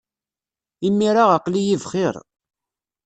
Imir-a aql-iyi bxir.